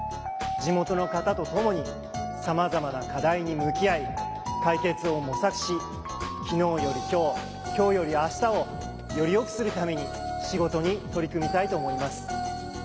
地元の方とともに様々な課題に向き合い解決を模索し昨日より今日今日より明日をより良くするために仕事に取り組みたいと思います。